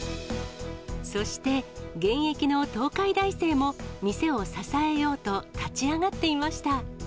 そして、現役の東海大生も店を支えようと立ち上がっていました。